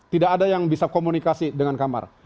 tidak ada yang bisa komunikasi dengan kamar